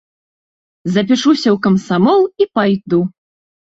Запішуся ў камсамол і пайду.